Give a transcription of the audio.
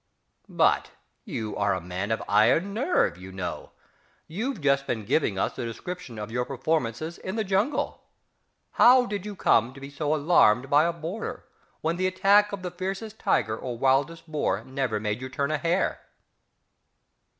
But you are a man of iron nerve, you know, you've just been giving us a description of your performances in the jungle. How did you come to be so alarmed by a boarder, when the attack of the fiercest tiger or wild boar never made you turn a hair?...